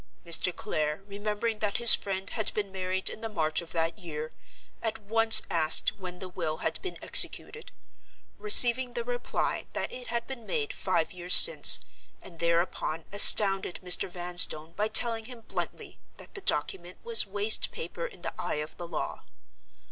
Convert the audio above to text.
Mr. Clare, remembering that his friend had been married in the March of that year, at once asked when the will had been executed: receiving the reply that it had been made five years since; and, thereupon, astounded Mr. Vanstone by telling him bluntly that the document was waste paper in the eye of the law.